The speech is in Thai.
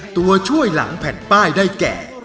ตัวช่วยหลังแผ่นป้ายได้แก่